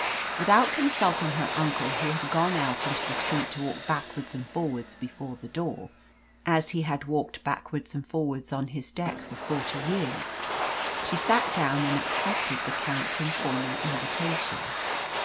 Without consulting her uncle, who had gone out into the street to walk backwards and forwards before the door, as he had walked backwards and forwards on his deck for forty years, she sat down and accepted the Count's informal invitation.